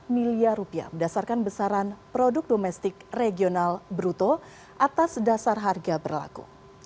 dua puluh miliar rupiah berdasarkan besaran produk domestik regional bruto atas dasar harga berlaku